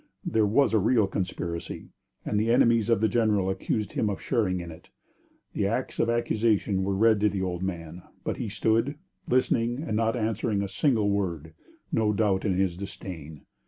There was a real conspiracy, and the enemies of the general accused him of sharing in it. The acts of accusation were read to the old man, but he stood, listening and not answering a single word, no doubt in his disdain.